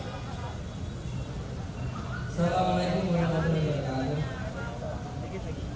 assalamu alaikum warahmatullahi wabarakatuh